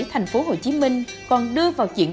thành phố hồ chí minh còn đưa vào chuyện